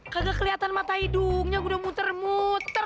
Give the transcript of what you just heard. kagak kelihatan mata hidungnya udah muter muter